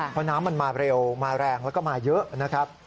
เพราะน้ำมันมาเร็วมาแรงแล้วก็มาเยอะนะครับ